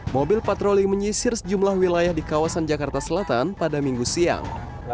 mobil patroli menyisir sejumlah wilayah di kawasan jakarta selatan pada minggu siang